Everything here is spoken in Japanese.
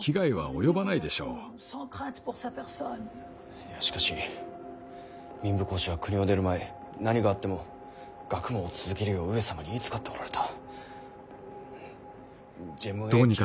いやしかし民部公子は国を出る前何があっても学問を続けるよう上様に言いつかっておられた。